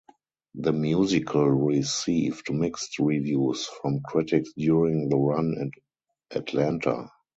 The musical received mixed reviews from critics during the run in Atlanta.